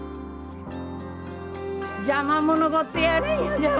邪魔者がおってやれんよ。